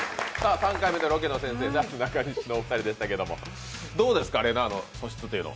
３回目のロケの先生、なすなかにしでしたけど、どうですか、れなぁの素質というのは？